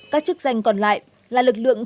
các chức danh còn lại là lực lượng